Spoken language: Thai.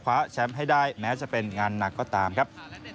แชมป์ให้ได้แม้จะเป็นงานหนักก็ตามครับ